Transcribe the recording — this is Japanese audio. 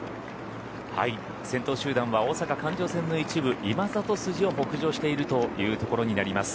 先頭集団は大阪環状線の一部今里筋を北上しているというところになります。